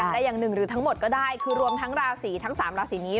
แต่อย่างหนึ่งหรือทั้งหมดก็ได้คือรวมทั้งราศีทั้ง๓ราศีนี้